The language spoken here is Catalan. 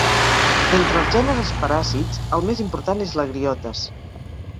Entre els gèneres paràsits, el més important és l'Agriotes.